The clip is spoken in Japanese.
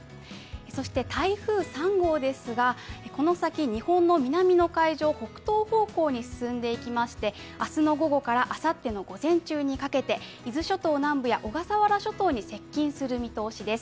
そして台風３号ですがこの先、日本の南の海上を北東方向に進んでいきまして、明日の午後からあさっての午前中にかけて、伊豆諸島南部や小笠原諸島に接近する見通しです。